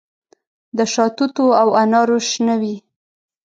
د شاتوتو او انارو شنه وي